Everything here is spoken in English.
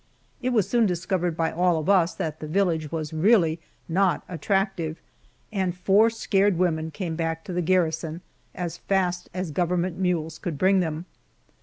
It was soon discovered by all of us that the village was really not attractive, and four scared women came back to the garrison as fast as government mules could bring them!